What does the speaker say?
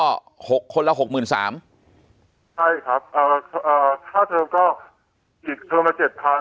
ใช่ครับค่าเทิมก็อีกเทิมละ๗๐๐๐